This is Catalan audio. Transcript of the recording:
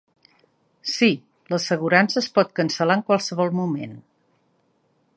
Sí, la assegurança es pot cancel·lar en qualsevol moment.